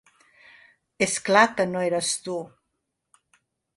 És clar que no eres tu.